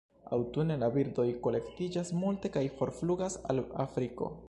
Aŭtune la birdoj kolektiĝas multe kaj forflugas al Afriko.